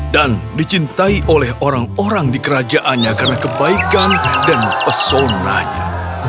dan dicintai oleh orang orang di kerajaannya karena kebaikan dan pesonanya